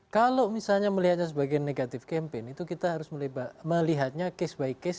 kalau misalnya melihatnya sebagai negatif campaign itu kita harus melihatnya case by case